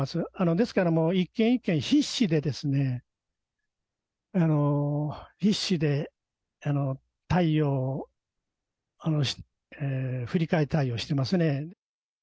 ですから、一件一件、必死でですね、必死で対応、振り替え対応してますね。